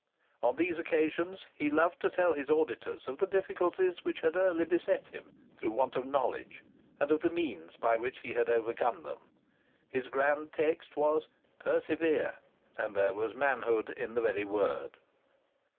On these occasions he loved to tell his auditors of the difficulties which had early beset him through want of knowledge, and of the means by which he had overcome them. His grand text was—PERSEVERE; and there was manhood in the very word.